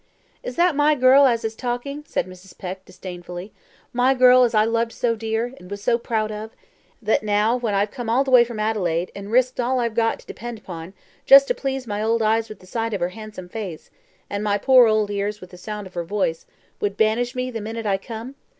"Is that my girl as is talking?" said Mrs. Peck, disdainfully, "my girl as I loved so dear, and was so proud of that now, when I've come all the way from Adelaide, and risked all I've got to depend upon, just to please my old eyes with the sight of her handsome face, and my poor old ears with the sound of her voice, would banish me the minute I come!